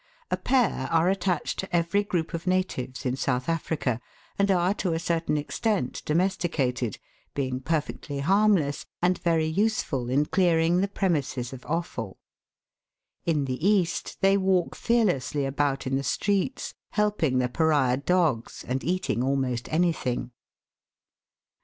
A pair are attached to every group of natives in South Africa, and are to a certain extent domesticated, being perfectly harmless, and very useful in clearing the premises of offal. In the East they walk fearlessly about in the streets, helping the pariah dogs, and eating almost any thing.